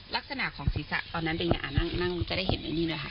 ลักษณะของศีรษะตอนนั้นเป็นยังไงนั่งจะได้เห็นอย่างนี้ด้วยครับ